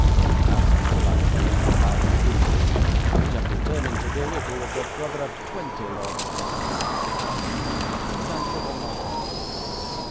'He has, until I have laid him by the heels, which I am determined to do if he were the brother of twenty Lord Steffenhams.' 'Please answer one more question.